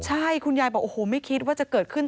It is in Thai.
ใช่คุณยายบอกโอ้โหไม่คิดว่าจะเกิดขึ้น